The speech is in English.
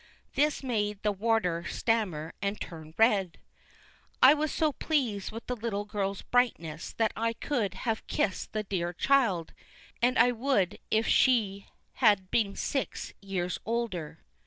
This made the Warder stammer and turn red. I was so pleased with the little girl's brightness that I could have kissed the dear child, and I would if she'd been six years older.